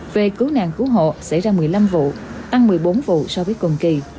về cứu nạn cứu hộ xảy ra một mươi năm vụ tăng một mươi bốn vụ so với cùng kỳ